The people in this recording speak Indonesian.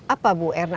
apa bu erna